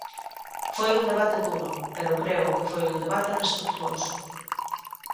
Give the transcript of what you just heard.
Foi un debate duro pero creo que foi un debate respectuoso.